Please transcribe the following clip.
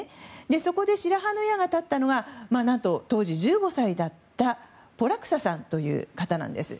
そこで白羽の矢が立ったのは当時、１５歳だったポクラサさんという人なんです。